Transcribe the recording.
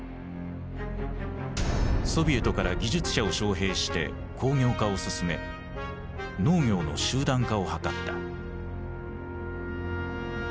ソビエトから技術者を招へいして工業化を進め農業の集団化を図った。